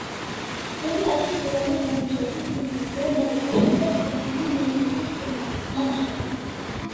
იგი არის პირველი „განთიადის“ ფილმებიდან და ეფუძნება სტეფანი მეიერის რომანს „განთიადი“.